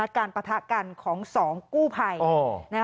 การประถะกันของ๒กู้ไพร